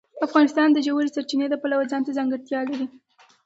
افغانستان د ژورې سرچینې د پلوه ځانته ځانګړتیا لري.